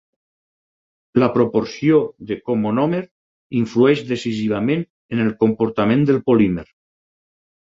La proporció de comonómer influeix decisivament en el comportament del polímer.